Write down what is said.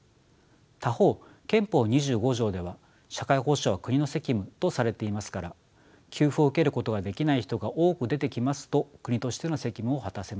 他方憲法２５条では社会保障は国の責務とされていますから給付を受けることができない人が多く出てきますと国としての責務を果たせません。